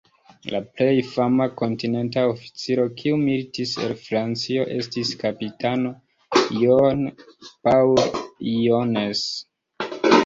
La plej fama Kontinenta oficiro, kiu militis el Francio, estis kapitano John Paul Jones.